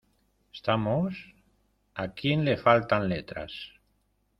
¿ estamos? ¿ a quien le faltan letras ?